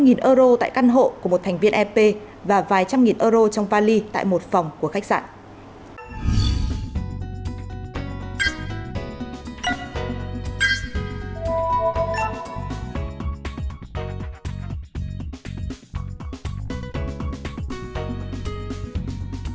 một trăm năm mươi euro tại căn hộ của một thành viên ep và vài trăm nghìn euro trong vali tại một phòng của khách sạn